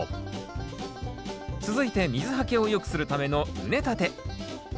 続いて水はけを良くするための畝立て。